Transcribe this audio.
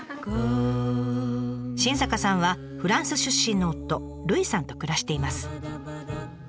新坂さんはフランス出身の夫ルイさんと暮らしています。